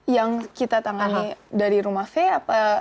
yang kita tangani dari rumah v apa kasus kasus